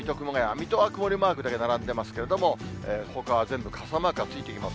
水戸は曇りマークだけ並んでますけれども、ほかは全部傘マークがついています。